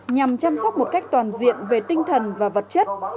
nhằm chăm sóc một cách toàn diện về tinh thần và vật chất